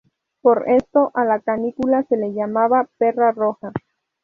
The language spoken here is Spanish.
Por esto a la canícula se le llamaba "perra roja".